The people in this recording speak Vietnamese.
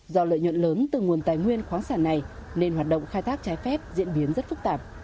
do lợi nhuận lớn từ nguồn tài nguyên khoáng sản này nên hoạt động khai thác trái phép diễn biến rất phức tạp